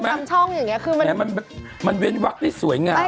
ใช่ไหมนี่มันแปลงเอาเป็นวักได้สวยงาม